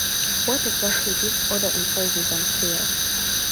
What exactly this order implied is unclear.